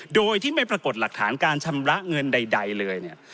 โดยที่ไม่ปรากฏหลักฐานการชำระเงินใดเลยเนี่ย